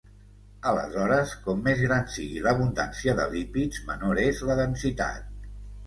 Aleshores, com més gran sigui l'abundància de lípids, menor és la densitat.